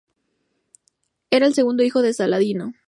Era el segundo hijo de Saladino.